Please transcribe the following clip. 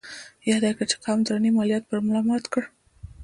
ياده يې کړه چې قوم يې درنې ماليې پر ملا مات کړ.